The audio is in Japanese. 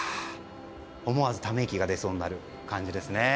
思わずため息が出そうになる感じですね。